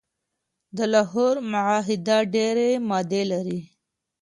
د لاهور معاهده ډیري مادي لري.